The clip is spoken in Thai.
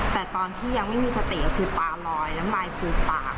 แต่ตอนที่ยังไม่มีสติก็คือปลาลอยน้ำลายฟูบปาก